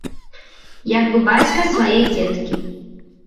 Як бы бацька свае дзеткі.